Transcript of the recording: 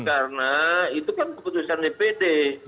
karena itu kan keputusan dpd